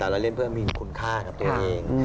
เราเล่นเพื่อมีคุณค่ากับตัวเอง